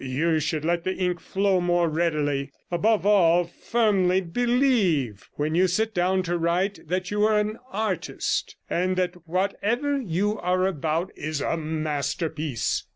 You should let the ink flow more readily. Above all, firmly believe, when you sit down to write, that you are an artist, and that whatever you are about is a masterpiece.